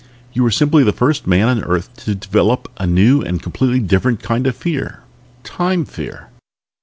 You were simply the first man on Earth to develop a new and completely different kind of fear Time Fear."